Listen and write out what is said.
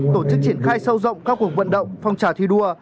tổ chức triển khai sâu rộng các cuộc vận động phong trào thi đua